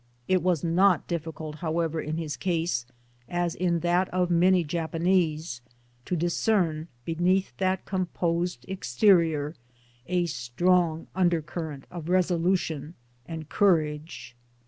It was not difficult however in his case, as in that of many Japanese, to discern, beneath that composed exterior, a strong undercurrent of resolution and courage.